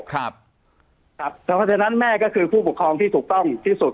เพราะฉะนั้นแม่ก็คือผู้ปกครองที่ถูกต้องที่สุด